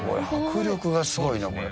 迫力がすごいな、これ。